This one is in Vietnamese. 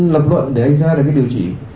tập luận để anh ra được cái điều trị